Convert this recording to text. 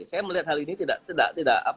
saya melihat hal ini tidak